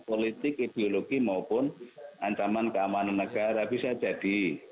politik ideologi maupun ancaman keamanan negara bisa jadi